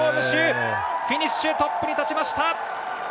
秋フィニッシュしてトップに立ちました。